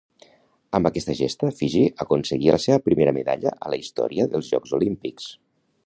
Amb aquesta gesta, Fiji aconseguia la seva primera medalla a la història dels Jocs Olímpics.